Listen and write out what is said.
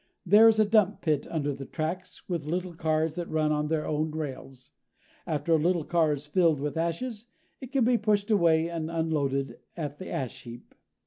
There is a dump pit under the tracks, with little cars that run on their own rails. After a little car is filled with ashes, it can be pushed away and unloaded at the ash heap.